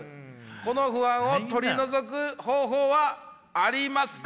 この不安を取り除く方法はありますか？」。